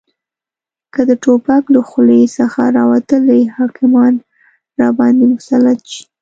که د توپک له خولې څخه راوتلي حاکمان راباندې مسلط شي